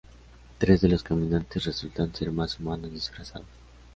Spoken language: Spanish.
Tres de los "caminantes" resultan ser más humanos disfrazados.